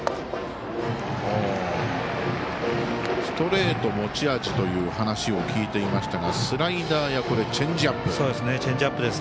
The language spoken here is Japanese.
ストレートが持ち味という話を聞いていましたがスライダーやチェンジアップ。